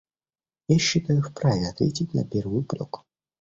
Я считаю вправе ответить на первый упрек.